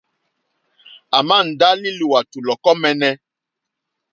À màà ndá lí lùwàtù lɔ̀kɔ́ mǃɛ́ɛ́nɛ́.